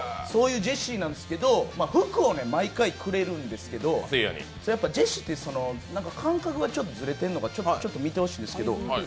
そういうジェシーなんですけど、服を毎回くれるんですけどやっぱジェシーって感覚がちょっとずれてんのか、見てほしいんですけど。